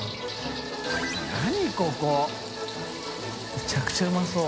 めちゃくちゃうまそう。